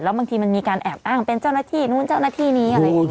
บางทีมันมีการแอบอ้างเป็นเจ้าหน้าที่นู้นเจ้าหน้าที่นี้อะไรอย่างนี้